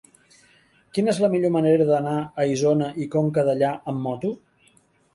Quina és la millor manera d'anar a Isona i Conca Dellà amb moto?